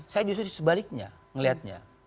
saya justru sebaliknya ngelihatnya